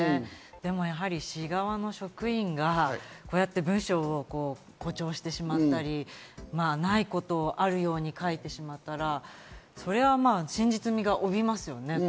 でも、市の職員が文書を誇張してしまったり、ないことをあるように書いてしまったら、それは真実みを帯びますよね。